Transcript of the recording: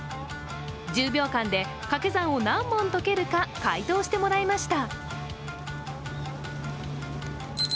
１０秒間で掛け算を何問解けるか解答してもらいました。